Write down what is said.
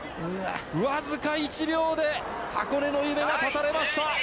僅か１秒で箱根の夢が絶たれました。